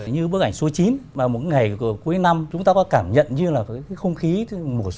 như bức ảnh số chín là một ngày cuối năm chúng ta có cảm nhận như là cái không khí mùa xuân nó có thể ngập tràn